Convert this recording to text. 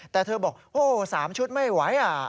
แต่เธอบอกโอ้๓ชุดไม่ไหว